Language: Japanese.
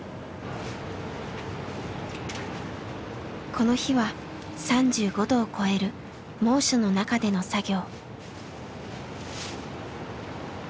この日は３５度を超える猛暑の中での作業。